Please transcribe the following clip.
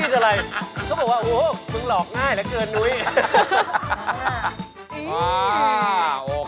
เขาบอกว่าโอ้โฮเพิ่งหลอกง่ายแล้วเกินหนุ้ย